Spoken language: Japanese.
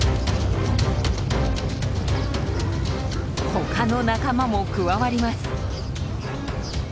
他の仲間も加わります。